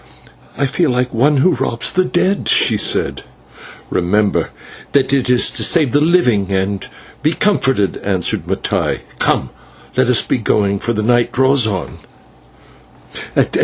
"I feel like one who robs the dead," she said. "Remember that it is to save the living, and be comforted," answered Mattai. "Come, let us be going, for the night draws on."